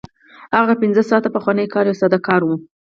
هغه پنځه ساعته پخوانی کار یو ساده کار و